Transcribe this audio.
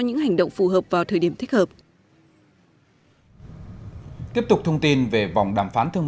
những hành động phù hợp vào thời điểm thích hợp tiếp tục thông tin về vòng đàm phán thương